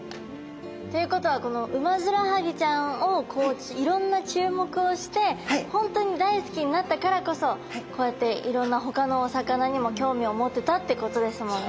ていうことはこのウマヅラハギちゃんをいろんなちゅうもくをして本当に大好きになったからこそこうやっていろんな他のお魚にもきょうみをもてたってことですもんね。